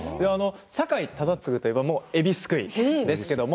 酒井忠次といえばえびすくいですよね。